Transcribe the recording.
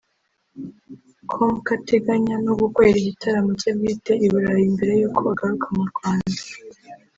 com ko ateganya no gukorera igitaramo cye bwite i burayi mbere yuko agaruka mu Rwanda